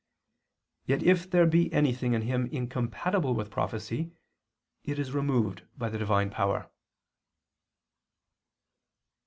Yet if there be anything in him incompatible with prophecy, it is removed by the Divine power.